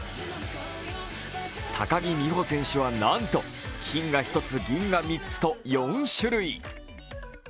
高木美帆選手は、なんと金が１つ、銀が３つと４種類。